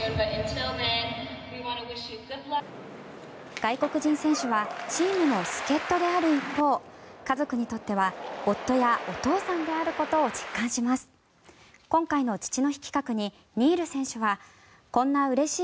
外国人選手はチームの助っ人である一方家族にとっては夫やお父さんであることを実感します。